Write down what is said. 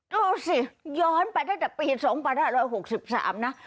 ดูสิย้อนไปตั้งแต่ปี๒๕๖๓นะ